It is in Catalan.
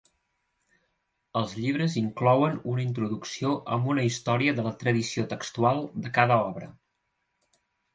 Els llibres inclouen una introducció amb una història de la tradició textual de cada obra.